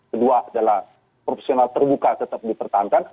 kedua adalah proporsional terbuka tetap dipertahankan